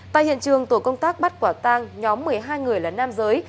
tại hiện trường tổ công tác bắt quả tang nhóm một mươi hai người là nam giới